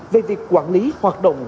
về việc quản lý hoạt động